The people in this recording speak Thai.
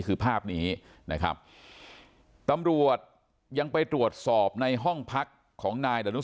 คือภาพนี้นะครับตำรวจยังไปตรวจสอบในห้องพักของนายดารุ